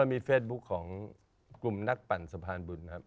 มีเฟซบุ๊คของกลุ่มนักปั่นสะพานบุญนะครับ